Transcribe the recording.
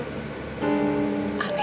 aneh aja deh